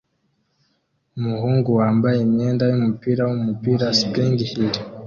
Umuhungu wambaye imyenda yumupira wumupira "Spring Hill"